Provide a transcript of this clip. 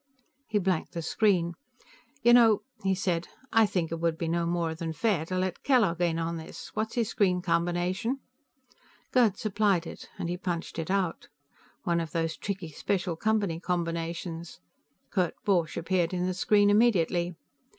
He blanked the screen. "You know," he said, "I think it would be no more than fair to let Kellogg in on this. What's his screen combination?" Gerd supplied it, and he punched it out. One of those tricky special Company combinations. Kurt Borch appeared in the screen immediately.